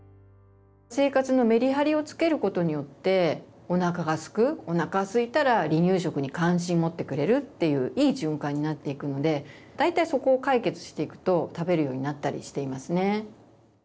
生活のメリハリをつけることによっておなかがすくおなかすいたら離乳食に関心持ってくれるっていういい循環になっていくので大体そこを解決していくと食べるようになったりしていますね。